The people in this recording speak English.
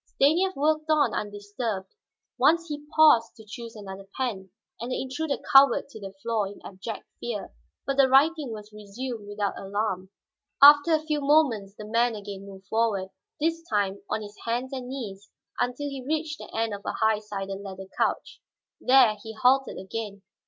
Stanief worked on undisturbed; once he paused to choose another pen, and the intruder cowered to the floor in abject fear. But the writing was resumed without alarm. After a few moments the man again moved forward, this time on his hands and knees, until he reached the end of a high sided leather couch. There he halted again.